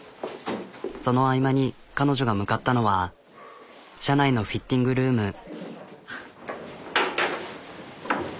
その合間に彼女が向かったのは社内のフィッティングルーム。